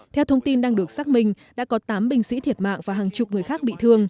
theo thông tin đang được xác minh đã có tám binh sĩ thiệt mạng và hàng chục người khác bị thương